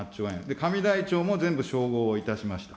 紙台帳も全部照合をいたしました。